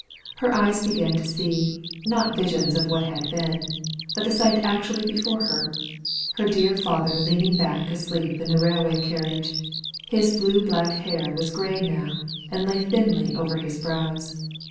Her eyes began to see, not visions of what had been, but the sight actually before her; her dear father leaning back asleep in the railway carriage. His blue black hair was grey now, and lay thinly over his brows.